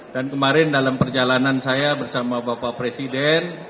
dan kemarin dalam perjalanan saya bersama bapak presiden